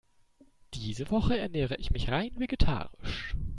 Diese Woche ernähre ich mich rein vegetarisch.